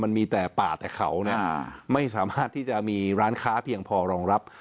มันมีแต่ป่าแต่เขาเนี่ยไม่สามารถที่จะมีร้านค้าเพียงพอรองรับ